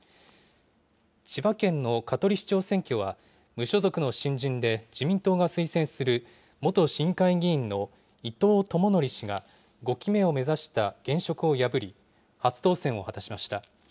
千葉県の香取市長選挙は、無所属の新人で自民党が推薦する元市議会議員の伊藤友則氏が５期目を目指した現職を破り、初当選を果たしました。